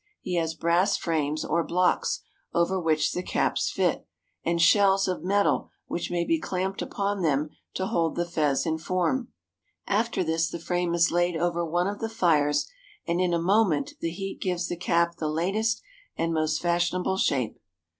He has brass frames or blocks over which the caps fit, and shells of metal which may be clamped upon them to hold the fez in form. After this the frame is laid over one of the fires, and in a moment the heat gives the cap the latest and most fashionable shape.